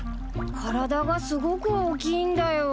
体がすごく大きいんだよ。